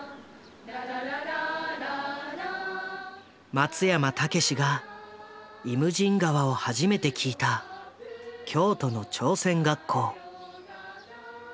松山猛が「イムジン河」を初めて聴いた京都の朝鮮学校。